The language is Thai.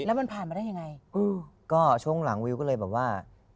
แล้วมันผ่านมาได้ยังไงอืมก็ช่วงหลังวิวก็เลยแบบว่า